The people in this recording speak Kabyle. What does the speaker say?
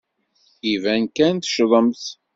Iban kan teccḍemt.